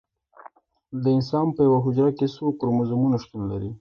د انسان په یوه حجره کې څو کروموزومونه شتون لري